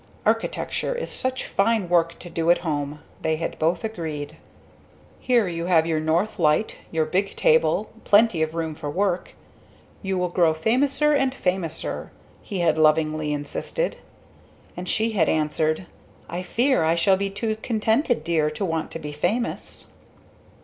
"Architecture is such fine work to do at home!" they had both agreed. "Here you have your north light your big table plenty of room for work! You will grow famouser and famouser," he had lovingly insisted. And she had answered, "I fear I shall be too contented, dear, to want to be famous."